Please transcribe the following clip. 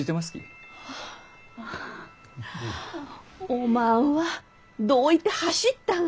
おまんはどういて走ったが！